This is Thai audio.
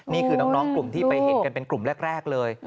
นี่คือน้องกลุ่มที่ไปเห็นกันเป็นกลุ่มแรกเลย